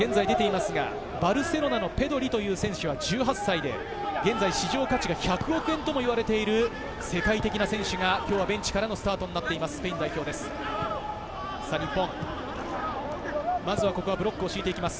バルセロナのペドリという選手は１８歳で、市場価値が１００億円ともいわれている世界的な選手がベンチからのスタートになっています。